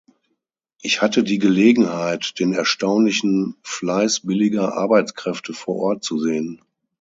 Ich hatte die Gelegenheit, den erstaunlichen Fleiß billiger Arbeitskräfte vor Ort zu sehen.